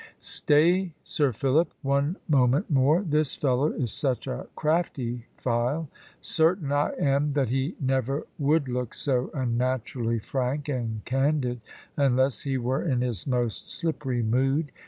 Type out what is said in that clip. "Stay, Sir Philip; one moment more. This fellow is such a crafty file. Certain I am that he never would look so unnaturally frank and candid unless he were in his most slippery mood.